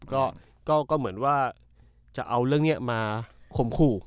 ก็เหมือนว่าจะเอาเรื่องนี้มาข่มขู่